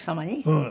うん。